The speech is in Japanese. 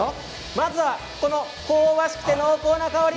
まずはこの香ばしくて濃厚な香り